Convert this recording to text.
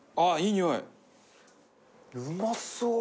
うまそう！